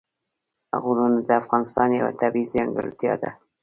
غرونه د افغانستان یوه طبیعي ځانګړتیا ده.